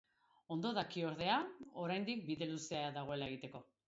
Ondo daki, ordea, oraindik bide luzea dagoela egiteko.